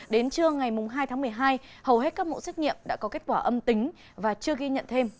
đến trưa ngày hai tháng một mươi hai hầu hết các mẫu xét nghiệm đã có kết quả âm tính và chưa ghi nhận thêm ca mắc mới